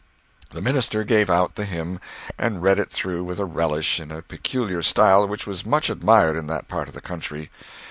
The minister gave out the hymn, and read it through with a relish, in a peculiar style which was much admired in that part of the country.